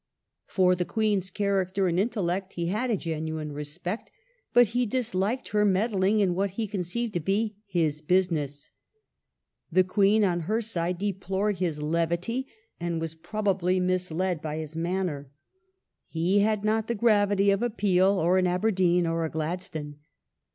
For the Queen's character and intellect he had a genuine respect, but he disliked her meddling in what he conceived to be his business. The Queen, on her side, deplored his levity and was probably misled by his manner. He had not the gravity of a Peel, or an Aberdeen, or a Gladstone.